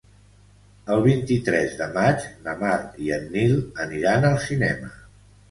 El vint-i-tres de maig na Mar i en Nil aniran al cinema.